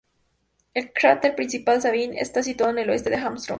El cráter principal Sabine está situado al oeste de Armstrong.